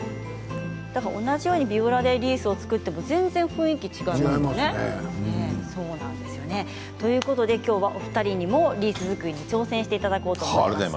同じようにビオラで作っても全然雰囲気が違いますね。ということで、今日はお二人にもリース作りに挑戦していただこうと思います。